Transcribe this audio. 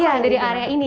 iya dari area ini